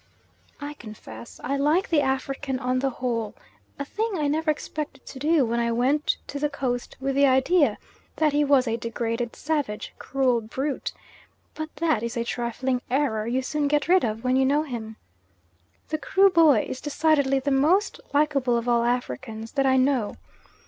I confess I like the African on the whole, a thing I never expected to do when I went to the Coast with the idea that he was a degraded, savage, cruel brute; but that is a trifling error you soon get rid of when you know him. The Kruboy is decidedly the most likeable of all Africans that I know.